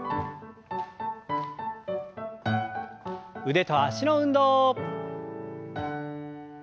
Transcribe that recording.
腕と脚の運動。